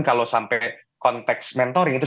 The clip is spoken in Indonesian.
kalau sampai konteks mentoring itu